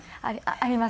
ありますね。